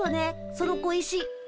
その小石。